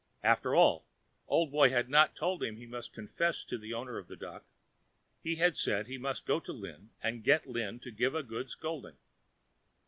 After all, Old Boy had not told him he must confess to the owner of the duck; he had said he must go to Lin and get Lin to give a good scolding.